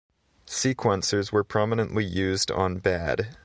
Sequencers were prominently used on "Bad".